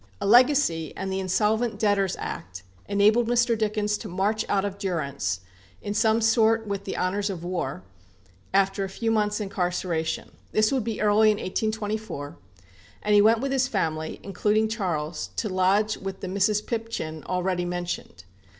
A legacy, and the Insolvent Debtors Act, enabled Mr. Dickens to march out of durance, in some sort with the honours of war, after a few months' incarceration this would be early in 1824; and he went with his family, including Charles, to lodge with the "Mrs. Pipchin" already mentioned.